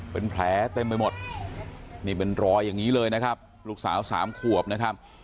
เป็นแผลเต็มไปหมดนี่เป็นรอยอย่างนี้เลยนะครับลูกสาวสามขวบนะครับ